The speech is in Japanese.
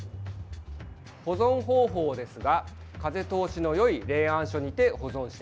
保存方法ですが、風通しのよい冷暗所にて保存してください。